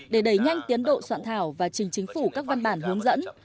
để đẩy nhanh tiến độ soạn thảo và trình chính phủ các văn bản hướng dẫn